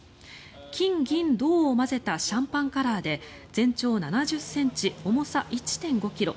金銀銅を混ぜたシャンパンカラーで全長７０ｃｍ、重さ１．５ｋｇ。